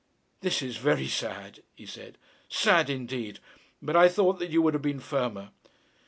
'This is very sad,' he said, 'sad indeed; but I thought that you would have been firmer.'